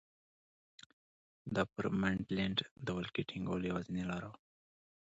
دا پر منډلینډ د ولکې ټینګولو یوازینۍ لاره وه.